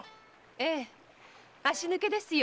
ええ“足抜け”ですよ。